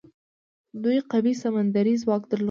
دوی قوي سمندري ځواک درلود.